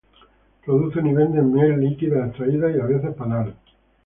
Producen y venden miel líquida, extraída, y a veces, panal.